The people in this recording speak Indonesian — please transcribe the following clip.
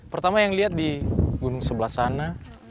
pertama yang lihat di gunung sebelah sana